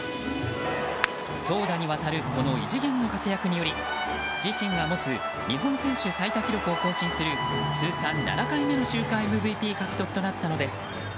投打にわたる異次元の活躍により日本選手最多記録を更新する通算７回目の週間ＭＶＰ獲得となったのです。